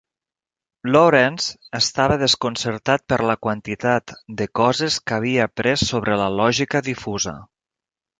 Lawrence estava desconcertat per la quantitat de coses que havia après sobre la lògica difusa.